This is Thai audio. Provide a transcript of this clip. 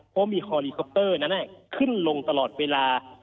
เพราะมีคอลีคอปเตอร์นั้นขึ้นลงตลอดเวลา